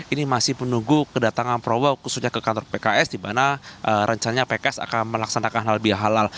ini masih menunggu kedatangan prabowo khususnya ke kantor pks di mana rencananya pks akan melaksanakan halal bihalal